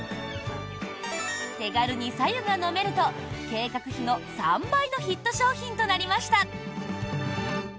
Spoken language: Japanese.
手軽にさゆが飲めると計画比の３倍のヒット商品となりました。